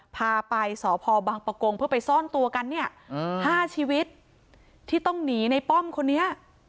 พาไปสพบังปะกงเพื่อไปซ่อนตัวกันเนี่ย๕ชีวิตที่ต้องหนีในป้อมคนนี้